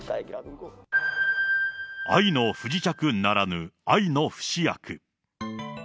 愛の不時着ならぬ、愛の不死薬。